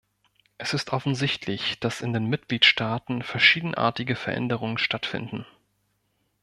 Es ist offensichtlich, dass in den Mitgliedstaaten verschiedenartige Veränderungen stattfinden.